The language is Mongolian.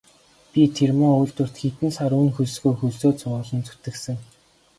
Би тэр муу үйлдвэрт хэдэн сар үнэ хөлсгүй хөлсөө цувуулан зүтгэсэн.